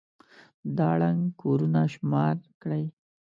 دا ړنـګ كورونه شمار كړئ.